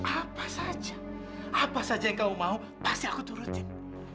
apa saja apa saja yang kau mau pasti aku turutin